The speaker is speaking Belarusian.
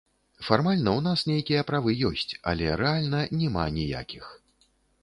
Фармальна ў нас нейкія правы ёсць, але рэальна няма ніякіх.